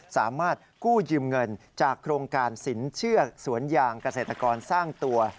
สามารถกู้ยืมเงินจากโครงการสินเชื่อสวนยางเกษตรกรสร้างตัว